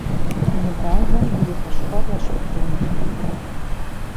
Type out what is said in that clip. Ныбажэм и хущхъуэгъуэщ прунжыр.